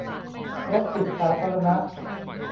และจิตสาธารณะ